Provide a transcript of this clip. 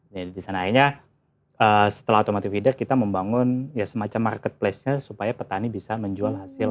jadi disanainya setelah automatic feeder kita membangun semacam market place nya supaya petani bisa menjual hasil